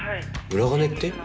裏金って？